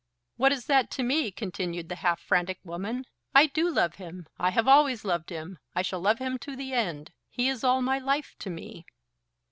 "What is that to me?" continued the half frantic woman. "I do love him. I have always loved him. I shall love him to the end. He is all my life to me."